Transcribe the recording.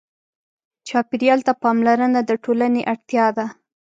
چاپېریال ته پاملرنه د ټولنې اړتیا ده.